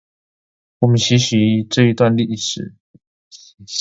我們學習這一段史事